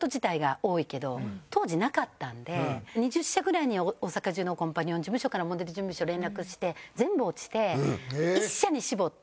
当時なかったので２０社ぐらいの大阪中のコンパニオン事務所からモデル事務所に連絡して全部落ちて１社に絞って。